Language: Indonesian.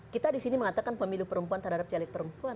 kita di sini mengatakan pemilu perempuan terhadap caleg perempuan